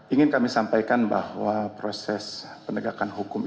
ingin kami sampaikan bahwa proses penegakan hukum